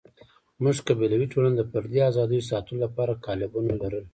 زموږ قبیلوي ټولنه د فردي آزادیو ساتلو لپاره قالبونه لرل.